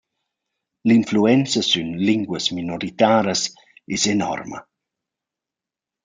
L’influenza sün linguas minoritaras es enorma.